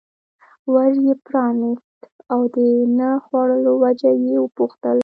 ور یې پرانست او د نه خوړلو وجه یې وپوښتل.